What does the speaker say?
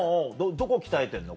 どこを鍛えてんの？